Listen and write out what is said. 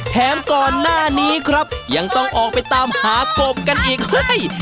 ก่อนหน้านี้ครับยังต้องออกไปตามหากบกันอีกเฮ้ย